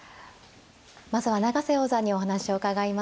まずは永瀬王座にお話を伺います。